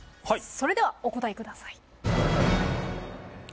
それではお答えください。